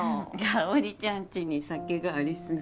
香ちゃんちに酒がありすぎ。